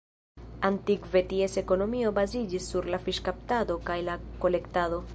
Antikve ties ekonomio baziĝis sur la fiŝkaptado kaj la kolektado.